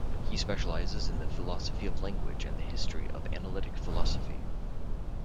He specializes in the philosophy of language and the history of analytic philosophy.